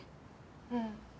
うん。